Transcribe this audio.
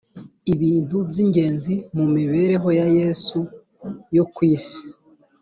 ibintu by ingenzi mu mibereho ya yesu yo ku isi